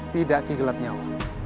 tidak ki gelap nyawa